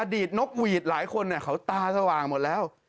อดีตนกหวีดหลายคนเนี่ยเขาตาก็วางหมดแล้ว